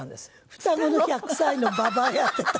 双子の１００歳のばばあやってた。